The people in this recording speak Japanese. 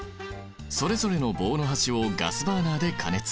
それぞれの棒の端をガスバーナーで加熱。